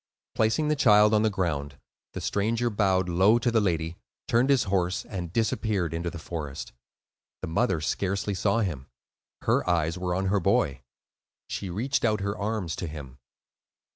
Placing the child on the ground, the stranger bowed low to the lady, turned his horse, and disappeared into the forest. The mother scarcely saw him; her eyes were on her boy. She reached out her arms to him.